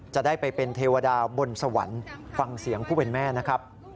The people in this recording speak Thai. จะได้ไปเป็นเทวดาบนสวรรค์ฟังเสียงผู้เป็นแม่นะครับ